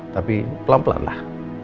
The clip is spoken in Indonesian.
tapi pelan pelan lah